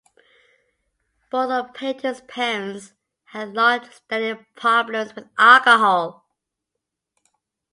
Both of Payton's parents had long-standing problems with alcohol.